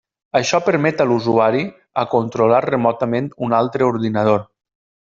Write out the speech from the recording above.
Això permet a l'usuari a controlar remotament un altre ordinador.